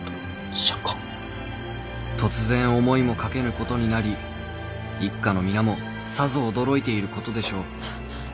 「突然思いもかけぬことになり一家の皆もさぞ驚いていることでしょう」。